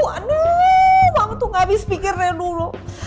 aduh mama tuh gak habis pikirnya dulu